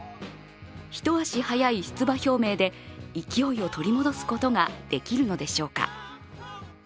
一足早い出馬表明で勢いを取り戻すことができるのでしょうか。